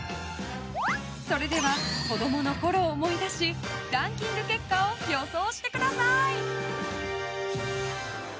それでは子供のころを思い出しランキング結果を予想してください。